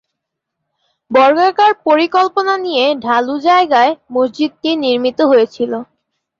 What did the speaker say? বর্গাকার পরিকল্পনা নিয়ে ঢালু জায়গায় মসজিদটি নির্মিত হয়েছিল।